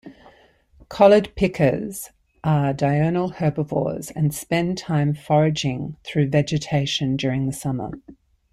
Collared pikas are diurnal herbivores and spend time foraging through vegetation during the summer.